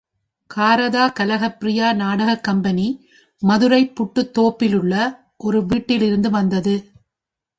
காரதா கலகப்ரியா நாடகக் கம்பெனி மதுரை புட்டுத்தோப்பிலுள்ள ஒரு வீட்டில் இருந்து வந்தது.